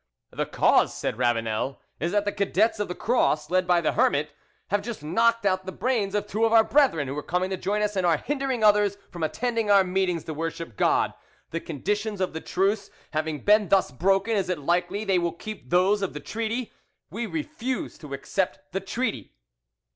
"The cause," said Ravanel, "is that the Cadets of the Cross, led by the 'Hermit,' have just knocked out the brains of two of our brethren, who were coming to join us, and are hindering others front attending our meetings to worship God: the conditions of the truce having been thus broken, is it likely they will keep those of the treaty? We refuse to accept the treaty."